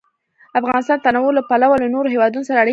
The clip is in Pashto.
افغانستان د تنوع له پلوه له نورو هېوادونو سره اړیکې لري.